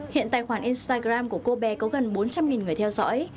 hiện tài khoản instagram của cô bé có gần bốn trăm linh người theo dõi